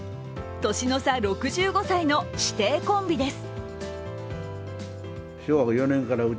年の差６５歳の師弟コンビです。